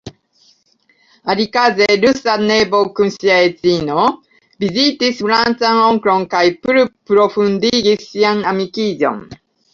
Alikaze rusa nevo kun sia edzino vizitis francan onklon kaj pluprofondigis sian amikiĝon.